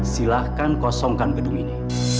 silahkan kosongkan gedung ini